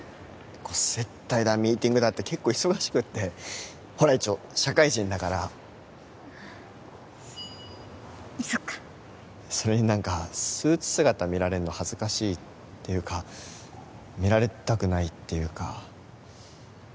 こう接待だミーティングだって結構忙しくってほら一応社会人だからそっかそれに何かスーツ姿見られるの恥ずかしいっていうか見られたくないっていうか